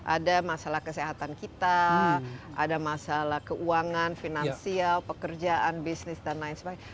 ada masalah kesehatan kita ada masalah keuangan finansial pekerjaan bisnis dan lain sebagainya